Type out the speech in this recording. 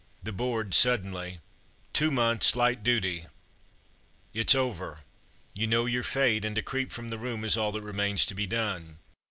. The Board, suddenly: "Two months' light duty!" It's over! You know your fate, and to creep from the room is all that remains to be done.